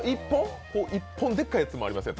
一本でっかいやつもありますよ。